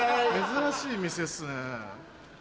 珍しい店っすねぇ。